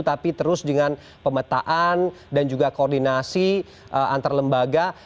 tapi terus dengan pemetaan dan juga koordinasi antar lembaga